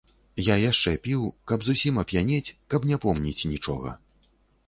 І яшчэ піў, каб зусім ап'янець, каб не помніць нічога.